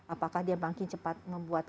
apakah dia banking cepat membuat